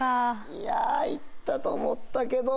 いやいったと思ったけども。